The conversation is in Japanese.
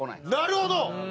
なるほど！